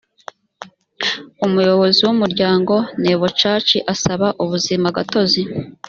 umuyobozi w umuryango nebo church asaba ubuzimagatozi